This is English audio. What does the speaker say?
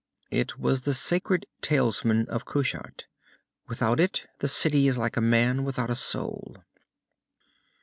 "It was the sacred talisman of Kushat. Without it, the city is like a man without a soul."